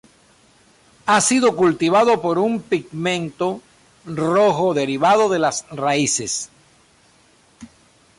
Ha sido cultivado por un pigmento rojo derivado de las raíces.